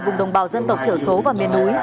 vùng đồng bào dân tộc thiểu số và miền núi